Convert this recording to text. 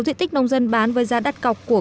diện tích nông dân bán với giá đặt cọc của